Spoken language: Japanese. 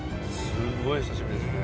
すごい久しぶりですね。